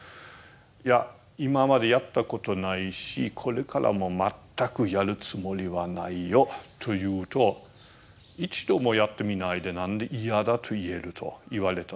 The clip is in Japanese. いや今までやったことないしこれからも全くやるつもりはないよと言うと「一度もやってみないで何で嫌だと言える？」と言われたんですね。